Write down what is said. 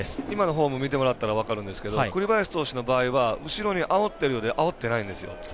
フォーム見てもらったら分かるんですけど栗林投手の場合は後ろ、あおってるようであおってないんですよ。